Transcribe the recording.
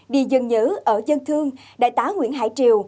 đi dần dữ ở dân thương đại tá nguyễn hải triều